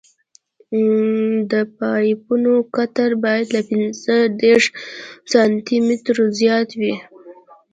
د پایپونو قطر باید له پینځه دېرش سانتي مترو زیات وي